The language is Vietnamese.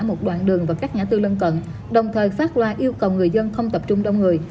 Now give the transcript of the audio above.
một đoạn đường và các ngã tư lân cận đồng thời phát loa yêu cầu người dân không tập trung đông người